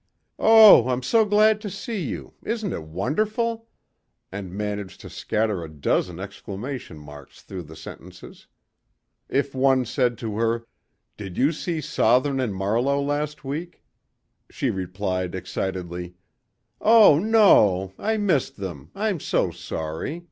"Oh! I'm so glad to see you! Isn't it wonderful?" And managed to scatter a dozen exclamation marks through the sentences. If one said to her, "Did you see Sothern and Marlowe last week?" she replied excitedly, "Oh no! I missed them! I'm so sorry!